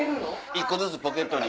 １個ずつポケットに。